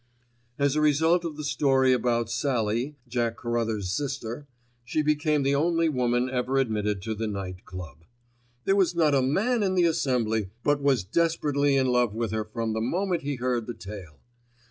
As a result of the story about Sallie, Jack Carruthers' sister, she became the only woman ever admitted to the Night Club. There was not a man in the assembly but was desperately in love with her from the moment he heard the tale.